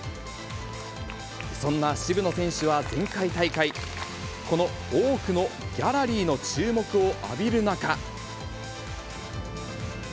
そんな渋野選手は前回大会、この多くのギャラリーの注目を浴びる中。